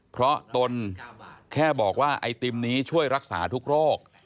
เพราะตนแค่บอกว่าไอติมนี้ช่วยรักษาทุกโรค